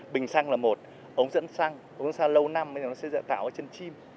bình xăng là một ống dẫn xăng ống dẫn xăng lâu năm bây giờ nó sẽ tạo cái chân chim